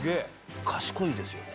賢いですよね？